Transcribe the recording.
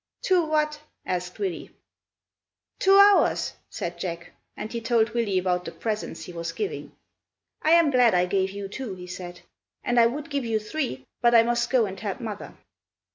"Two what?" asked Willy. "Two hours!" said Jack; and he told Willy about the presents he was giving. "I am glad I gave you two," he said, "and I would give you three, but I must go and help Mother."